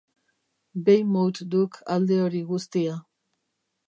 Weymouth duk alde hori guztia.